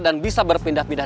dan bisa berpindah pindah